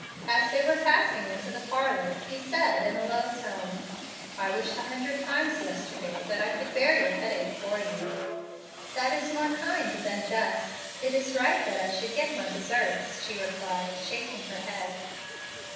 As they were passing into the parlor he said, in a low tone, "I wished a hundred times yesterday that I could bear your headache for you." "That is more kind than just. It is right that I should get my deserts," she replied, shaking her head.